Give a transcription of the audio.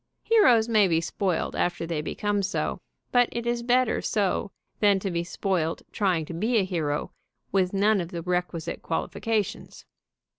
Heroes may be spoiled after they become so, but it is better so than to be spoiled trying to be a hero with none of the requisite qualifications.